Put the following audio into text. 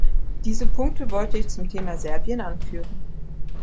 Diese Punkte wollte ich zum Thema Serbien anführen.